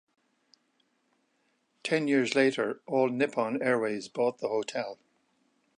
Ten years later, All Nippon Airways bought the hotel.